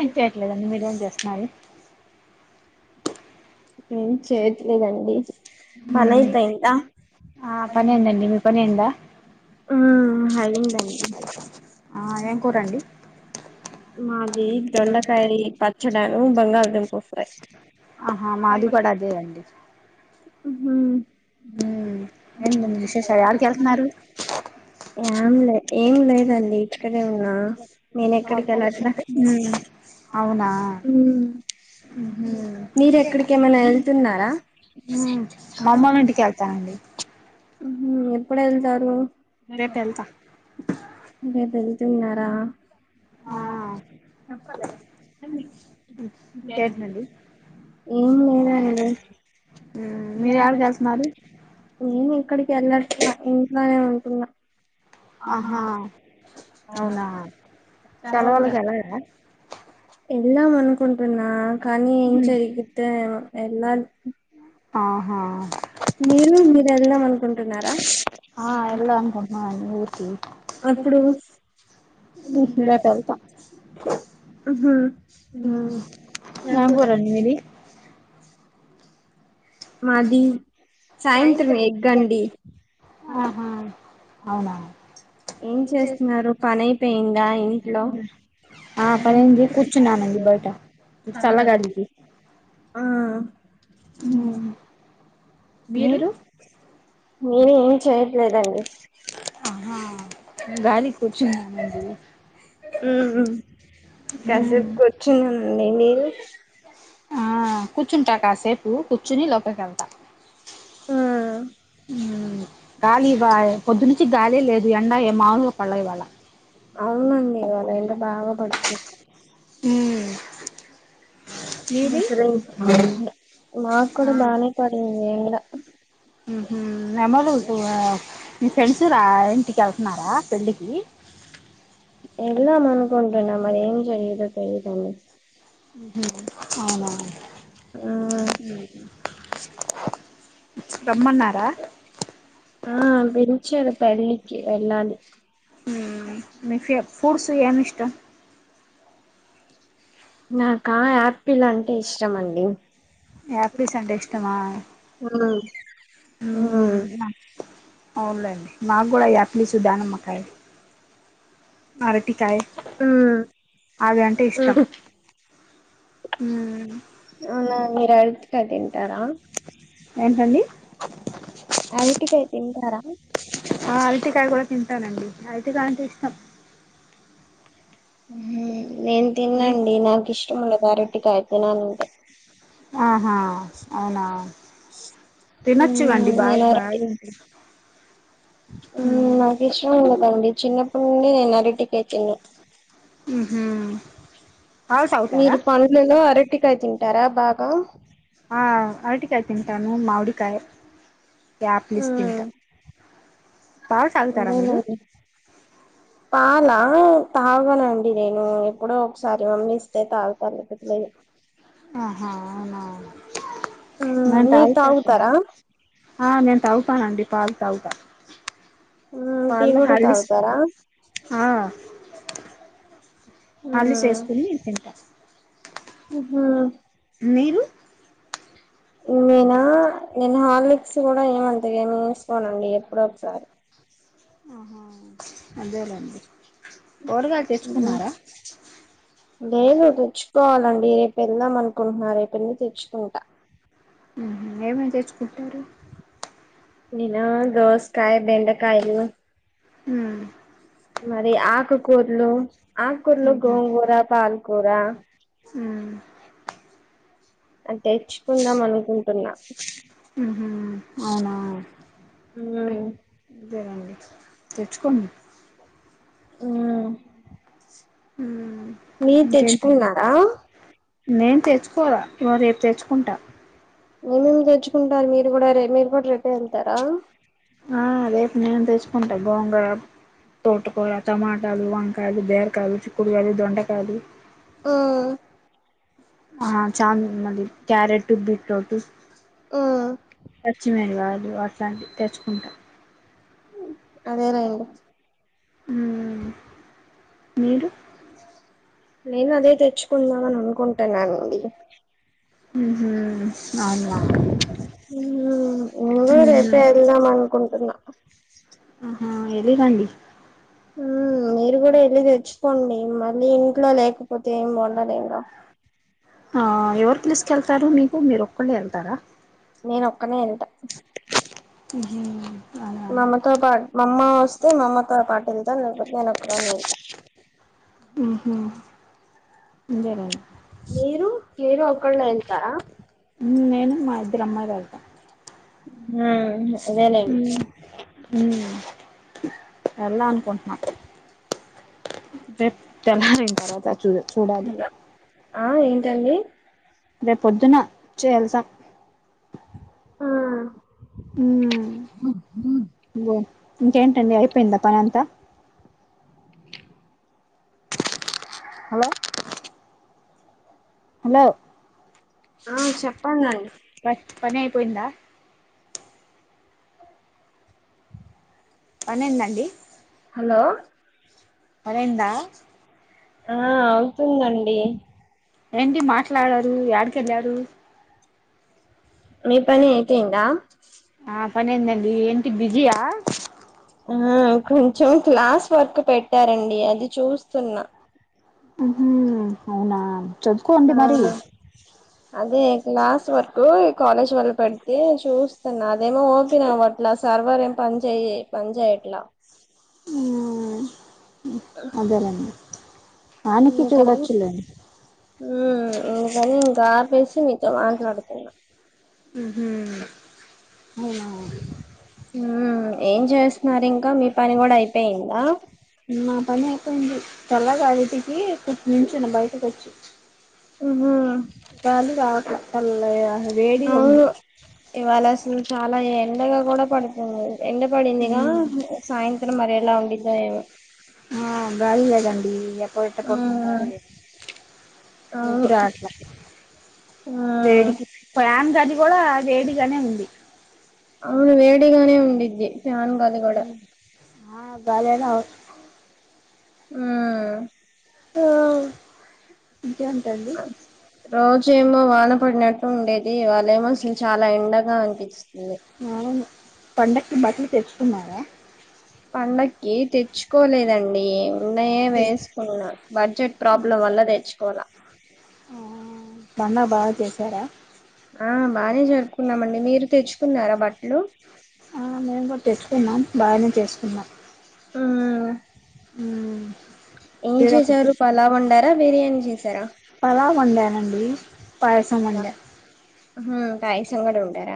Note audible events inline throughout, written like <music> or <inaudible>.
ఏంచేయట్లేదు అండీ మీరేం చేస్తున్నారు. ఏం చేయట్లేదండి పని ఉమ్. అయిపోయిందా ఆహ్ పని ఐదండి మీ పని అయిందా. ఉమ్ అయిందండి. ఆహ్ ఏం కూరండి. మాది దొండకాయ పచ్చడాను బంగాళదంప ఫ్రై. ఆహా మాది కూడా అదే అండి. ఉమ్. ఏంటండీ విశేషాలు యడికి వెళ్తున్నారు. ఏం లే ఏం లేదండి ఇక్కడే ఉన్నా నేను ఎక్కడికి వెళట్లే. అవునా ఉమ్ మ్మ్ మీరు ఎక్కడికి ఏమన్నా వెళ్తున్నారా. మ్ మా అమ్మొళ్ల ఇంటికేళ్తానండి మ్ హు ఎప్పుడేళ్తారు రేపు వెళ్తాను రేపు వెల్ తిన్నార ఆ <unintelligible> ఇంకేంటండి ఏం లేదండి మీరు యాడికి వెళ్తున్నారు నేను ఇక్కడికి వెళ్ళట్లే ఇంట్లోనే ఉంటున్నా ఆహా అవునా సెలవులకు వెళ్ళలేదా వెళదాం అనుకుంటన్నా కానీ ఏం జరుగుద్దో ఏమో వెళ్ళాలి ఆహా మీరు మీరు వెళ్దాం అనుకుంటున్నారా ఆ వెళ్దాం అనుకుంటున్నమండి ఊరికి అప్పుడు రెపెళ్తా మ్ హు ఏం మ్ కూరండి మీది మాది సాయంత్రం <unintelligible> ఆహా అవునా ఏం చేస్తున్నారు పనైపోయిందా ఇంట్లో ఆ పనైంది కూర్చున్నానండి బయట చాలా గాలికి ఆ మీరు నేను ఏం చేయట్లేదండి ఆ గలికి కూర్చున్న మండి మ్ కాసేపు కూర్చున్ననండి మీరు ఆ కూర్చుంటా కాసేపు కూర్చుని లోపలీకేళ్తా ఆ మ్ గాలి బా పొద్దునుంచి గాలే లేదు ఎండ మాములుగ పళ్ళే ఇవాళ అవునండి ఇవాళ ఎండ బాగా పడింది మ్ మా కూడా బానే పాడింది ఎండ మ్ హు మీ అమ్మోళ్ళు ఆ మీ ఫ్రెండ్స్ రా ఇంటికి వెళ్తున్నారా పెళ్ళికి వెళ్దాం అనుకుంటన్నా మరి ఏం చేయ <unintelligible> మ్ హు అవునా ఆ రమ్మన్నారా చ్చరు పెళ్లిికి వెళ్ళాలి మ్ మీ ఫె ఫ్రూడ్స్ ఎం ఇష్టం నాకా ఆపిల్ అంటే ఇష్టమండి యాపిల్స్ అంటే ఇష్టమా మ్ మ్ అవులేండి మాకు కూడా యాప్సు దానిమ్మకాయలు అరటి ాయి ఉమ్ అవి అంటే ఇష్టంమ్ అవునా మీరు అరిటికాయ్ తింటారా ఏంటండి అరటి కాయ్ తీంటారా ఆ అరటికాయ కూడా తింటానండి అరటికాయ అంటే ఇష్టం మ్ నేను మీ తిినండి నాకు ఇష్టముండదు అరటికాయ తినాలంటే ఆ ఆ అవునా ఉమ్ తినొచ్చివండి బాగా బాగా ఏంటి <unintelligible> ఉం నాకు ఇష్టం ఉండదండి చిన్నప్పటి నుండి నేను అరటి కాయ తినను ఉహు పాలు తాగుతారా మీరు పండ్లు లలో అర అరటి కాయ తింటారా బాగా ఆ అరటికాయ తింటాను మామిడికాయ యాప్లిస్ ఉమ్ తింటా పాలు తాగుతారా మీరు నా తాగనండి నేను ఎప్పుడో ఒకసారి మమ్మీ ఇస్తే తాగుత పట్ <unintelligible> ఆహా అవునా మ్మ్ నేను మీరు తాగుతా తాగుతారా ఆ నేను తాగుతా నండి పాల్ తాగుతా మ్మ్ టీ ప కూడా తాగుతారా హా <unintelligible> హార్లిక్స్ వేసుకుని తింటా ఆహా మీరు నేనా నేను హార్లిక్స్ కూడా ఏమ్ అంతగా ఏ సుకోనండి ఎప్పుడ సారి ఆహా అదేలండి లేలు త <unintelligible> పోవాలండి రేపు వెళ్దాం అనుకుంటున్నా రేపు వెళ్లి తెచ్చుకుంటా హు హమ్ ఏమేమి తెచ్చుకుంటారు నేనా దోసకాయ బెండకాయలు హమ్ మరి ఆకుకూరలు ఆకుకూరలు గోంగూర పాలకూర ఉం తేచ్చుకుందం అనుకుంటున్నా ఉహు అవునా ఉం అదేనండి తెచ్చుకోండి ఉం ఉమ్ మీరు ఇంకేంటి తెచ్చుకున్నారా నేను తెచ్చుకోలా వ రేపు తెచ్చుకుంటా ఏ మేమి తెచ్చుకుంటారు మీరు కూడా ర మీరు కూడా రేపే వెళ్తారా ఆ రేపు నేను తెచ్చుకుంటా గోంగూర తోటకోర టమాటాలు వంకాయలు బీరకాయలు చిక్కుడు కాయలు దొండకాయలు ఓ ఆ ఛామ మళ్ళీ క్యారెట్ బీట్రోటు మ్మ్ పచ్చిమిరప కాయలు అట్లాంటివి తెచ్చుకుంటా అదేలెండి ఉం మీరు నేను అదే తెచ్చుకుందాం అని అనుకుంటున్నానండి హు హమ్ అవునా మ్మ్ నేను కూడా హు హమ్ రేపే వెళ్దాం అనుకుంటున్నా ఆహా వెళ్లి రండి ఉం మీరు కూడా వెళ్ళి తెచ్చుకోండి మళ్ళీ ఇంట్లో లేకపోతే ఏమి బా అనేగా ఆ ఎవరు పిలిసుకు వెళ్తారు మీకు మీరు ఒక్కళ్ళే వెళ్తారా నేన ఒక్కనే వెళ్తా ఉహు మామ్మతో పాటు మా అమ్మ వస్తే మా అమ్మతో పాటు వెళ్తా లేకపోతే నేను ఒక్కదాన్నే వెళ్తా ఉహు ఇంకేమి మీరు మీరు ఒక్కళ్లే వెళ్తారా ఉ నేను మా ఇద్దరు అమ్మయి వెళ్తాం ఆ అదే లేండి ఉ వెళ్దా అనుకుంటున్నా రేప్ తెల్లారిన తర్వాత చుడా చూడాలి హలో ఆ ఏంటండి రేపు పొద్దున చేయల్సాం ఆ ఉ బో ఇంకేంటండి అయిపోయిందా పని అంతా హలో హలో ఆ చెప్పండిండి పని అయిపోయిందా పని అయిందా అండి హలో పనైందా ఆ అవుతుందండి ఏంటి మాట్లాడరు ఎడికెళ్ళారు మీ పని అయిపోయిందా నా పని అయింది అండి ఏంటి బిజీయా ఆ కొంచెం క్లాస్ వర్క్ పెట్టారండి అది చూస్తున్నా ఉహు అవునా చదువుకోండి ఆ మరి అదే క్లాస్ వరకు ఈ కాలేజ్ వల్ల పెడితే చూస్తున్న అదేమో ఓపన్ అవ్వట్లా సార్ సర్వర్ ఏం పని చేయి పనించయట్లా ఉ అదేలేండి ఆయననికి చూడొచ్చులేండి ఉ అందుకని ఇంకా ఆపేసి మీతో మాట్లాడుతున్నా ఉహు అవునా ఉ ఏం చేస్తున్నారు ఇంకా మీ పని కూడా అయిపోయిందా మా పని అయిపోయింది చల్లగా ఇటికి నించున బయటకు వచ్చి ఆహా గాలి రావట్ల చల్ల వేడిగా ఉంంది ఉ చాలా ఎండగా కూడా పడుతుంది ఎండ పడిందిగా సాయంత్రం మరి ఎలా ఉండిద్దో ఏమో ఆ గాలి లేదండి ఎప్ పోయిట కొడుకుంట ఆ అవును ఊపిరి ఆడట్ల ఆ వేడికి ఫ్యాన్ గాలి కూడా వేడిగానే ఉంది అవును వేడిగానే ఉంద్ది ఫ్యాన్ గాలి కూడా ఆ బాల ఎనావు ఆ ఆ ఇంకేంటి అండి రోజేమో వాన పడినట్టు ఉండేది వాళ్ళేమో అసలు చాలా ఎండగా అనిపిచి పండక్కి బట్టలు తెచ్చుకున్నార పండక్కి తెచ్చుకోలేదండి ఉన్నయే వేసుకున్నాను బడ్జెట్ ప్రాబ్లం వల్ల తెచ్చుకోల పండ బాగ చేశార ఆ బాగానే జరుపుకున్నామండి మీరు తెచ్ ఆ నేను కూడ తెచ్చుకున్నాం <unintelligible> ఆ ఉ ఏం చేశారు <unintelligible> వండారా <unintelligible> చేసారు పలావ్ వండనండి పాయసం అలా వండ పాయసం కూడ వండార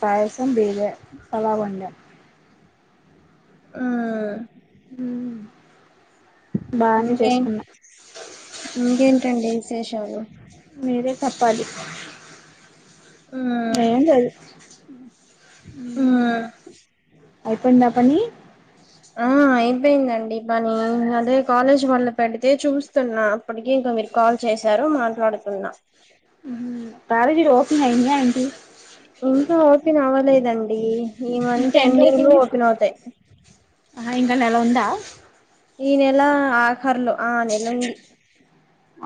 పాయసం బిర్య పలావ్ ఒండ హు అ ఇంకే ఇంకేంటండి విశేషాలు మీరే చెప్పాలి ఎం లేదు ఆ అయిపోయిందా పనీ ఆ అయిపోయిందండి పని అదే కాలేజ్ వాళ్ల పెడితే చూస్తున్నా అప్పటికే ఇంకా మీరు కాల్ చేశారు మాట్లాడుతున్నా కాలేజ్ లు ఓపెన్ అయిందా అండి ఇంకా ఓపెన్ అవ్వలేదన్ అండి ఈ మంత్ ఇంకా ఎన్ని ఎండింగ్ లో ఓపెన్ అవుతయి ఆ ఇంగ నెల ఉందా ఈ నెల ఆఖర్లో ఆ నెల ఉంది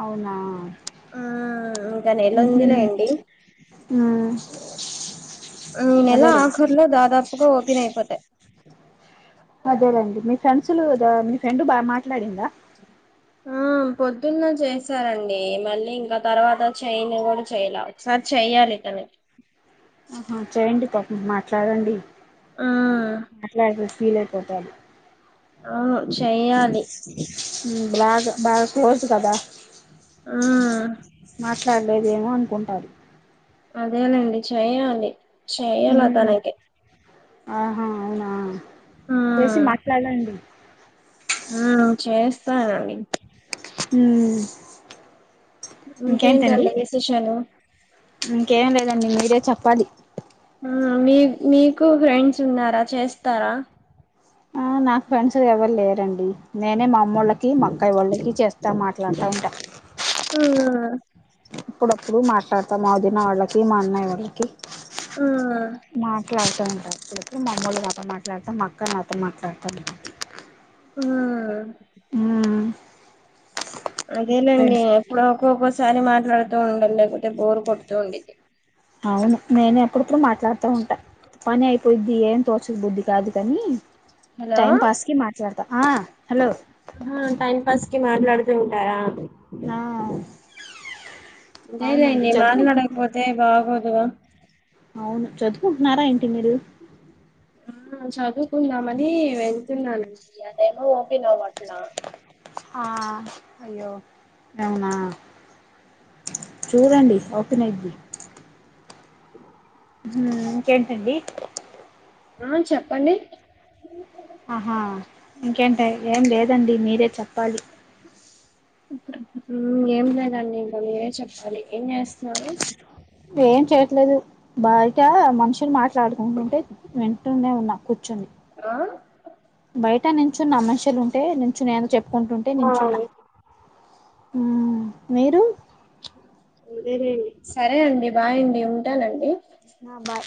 అవునా ఆ ఇంకా నెల ఉందిలేండి ఈ నెల అదేలేండి ఆఖరులో దాదాపుగా ఓపెన్ అయిపోతాయి అదేలేండి మీ ఫ్రెండ్స్లు మీ ఫ్రెండ్ బాగ మాట్లాడింద ఆ పొద్దున్న చేశారండి మళ్ళీ ఇంకా తర్వాత చేయన్ కూడా చేయల ఒకసారి చెయ్యాలి <unintelligible> ఆహా చేయండి పాపం మాట్లాడండి ఆ మాట్ల ఫీల్ అయిపోతది అవును చెయ్యాలి బ్లాగ్ బాగ క్లోజ్ కదా ఆ మాట్లాడలేదేమో అనుకుంటా <unintelligible> అదేనండి చెయ్యాలి చెయ్యాలే ఉమ్ తనకి ఆహా అవునా చేసి మాట్లాడండి ఆ చేస్తా <unintelligible> హు ఇంకేటి అండి విశేషాలు ఇంకేం లేదండి మీరే చెప్పాలి ఆ మీ మీకు ఫ్రెండ్స్ ఉన్నారా చేస్తార ఆ నాకు ఫ్రెండ్స్ ఎవరు లేరండి నేనే మా అమ్మ వాళ్ళకి మా అక్క వాళ్ళకి చేస్తా మాట్లాడుత ఉంట ఉమ్ అప్పుడప్పుడు మాట్లాడతాం మాదిన వాళ్ళకి, మా అన్నయ వాళ్ళకి ఉమ్ మాట్లాడు తా ఉంటాం అపుడప్పుడు మామ్మని నాతో మాట్లాడతాం అక్క నాతో మాట్లాడుతా ఆ మ్మ్ అదేలేండి ఫ్రెండ్స్ ఎప్పుడు ఒక్కొక్కోసారి మాట్లాడుతూ ఉండాలి. లేకపోతే బోరు కొడుతూ ఉండేది. అవును నేను అప్పుడప్పుడు మాట్లాడుతూ ఉంటా పని అయి బుద్ధి ఏం తోచదు బుద్ధి కాదు కాని హలో టైం పాస్ కి మాట్లాడతా ఆ హలో ఆ టైం పాస్ కి మాట్లాడుతూ ఉంటారా? నో ఇదేలెండి ఇన్ని మాల్లాడక పోతే బాగోదుగా అవును చదువుకుంటున్నారా ఏంటి మీరు? మ్ చదువుకుందామని వెళ్తున్నానుండి అదేమో ఓపన్ అవ్వట్ల ఆ అయ్యో నవునా చూడండి ఓపెన్ అయ్యిద్ది మ్ ఇంకేంటండి ఆ చెప్పండి ఆహా ఇంకేంటే ఏం లేదండి మీరే చెప్పాలి? మ్ ఏం లేదండి ఇంక మీరే చెప్పాలి. ఏం చేస్తున్నారు? ఏం చేయట్లేదు బయట మనుషులు మాట్లాడుకుంటుంటే వింటూనే ఉన్నా కూర్చొని ఆ బయట నించున్న మనిషులు ఉంటే నించు నేను చెప్పుకుంటుంటే ఆ నించున్న మ్ మీరు వేరే ఇయ్యి సరే అండి బాయండి ఉంటానండి నా బాయ్